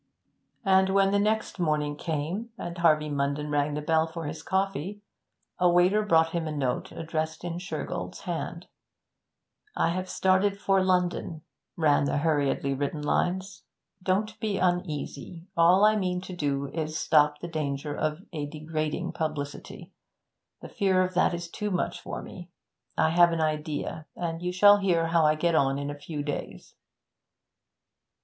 And when the next morning came, and Harvey Munden rang the bell for his coffee, a waiter brought him a note addressed in Shergold's hand. 'I have started for London,' ran the hurriedly written lines. 'Don't be uneasy; all I mean to do is to stop the danger of a degrading publicity; the fear of that is too much for me. I have an idea, and you shall hear how I get on in a few days.'